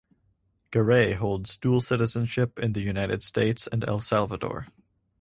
Garay holds dual citizenship in the United States and El Salvador.